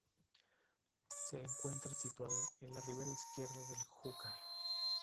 Se encuentra situado en la ribera izquierda del Júcar.